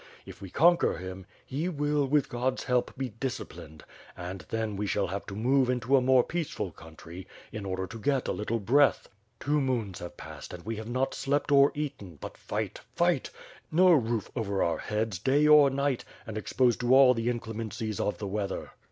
If we conquer him, he will, with God's help be disciplined; and then we shall have to move into a more peaceful country, in order to get a little breath. Two moons have passed and we 396 ^^TH FIRE AND SWORD. have not slept or eaten; but fight, fight; no roof over our heads day or night and exposed to all the inclemencies of the weather.